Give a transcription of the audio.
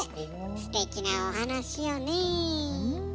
すてきなお話よね。